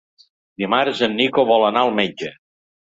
Dimarts en Nico vol anar al metge.